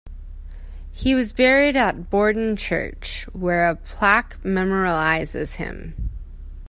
He was buried at Borden Church, where a plaque memorialises him.